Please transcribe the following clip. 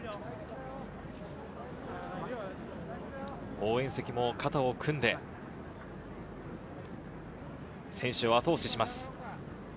応援席も肩を組んで、選手を後押しします。